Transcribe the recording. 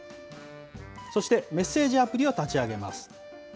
そして、メッセージアプリを立ち上げます。